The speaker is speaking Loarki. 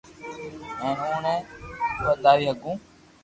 ھين او ني ودھاوي ھگو